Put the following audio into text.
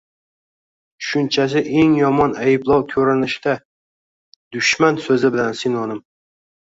tushunchasi eng yomon ayblov ko‘rinishida, “dushman” so‘zi bilan sinonim